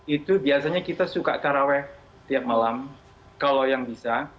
itu biasanya kita suka karaweh tiap malam kalau yang bisa